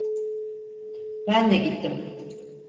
Ben de gittim.